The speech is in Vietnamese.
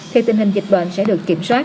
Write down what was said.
thì tình hình dịch bệnh sẽ được kiểm soát